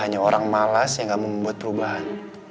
yang malas yang gak mau membuat perubahan